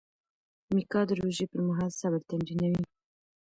میکا د روژې پر مهال صبر تمرینوي.